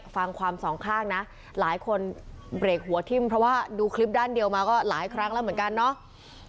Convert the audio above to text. ฟังความสองข้างนะหลายคนเบรกหัวทิ้มเพราะว่าดูคลิปด้านเดียวมาก็หลายครั้งแล้วเหมือนกันเนาะ